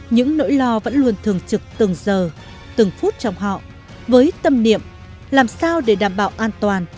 những nỗi lo vẫn luôn thường trực từng giờ từng phút trong họ với tâm niệm làm sao để đảm bảo an toàn